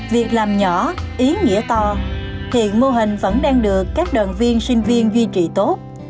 việc làm nhỏ ý nghĩa to hiện mô hình vẫn đang được các đoàn viên sinh viên duy trì tốt